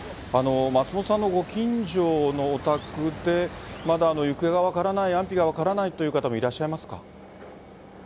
松本さんのご近所のお宅で、まだ行方が分からない、安否が分からないという方もいらっしゃいますか？